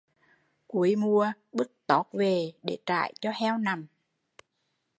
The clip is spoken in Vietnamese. Cuối mùa, bứt toót về để trải cho heo nằm